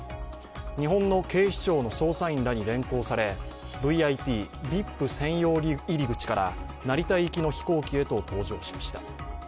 日本の警視庁の捜査員らに連行されＶＩＰ専用入り口から成田行きの飛行へと搭乗しました。